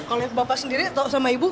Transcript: oleh bapak sendiri atau sama ibu